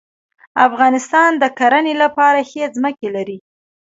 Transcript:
افغانستان د کرهڼې لپاره ښې ځمکې لري.